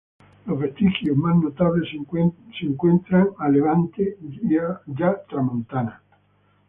Los vestigios más notables se encuentran a levante ya tramontana.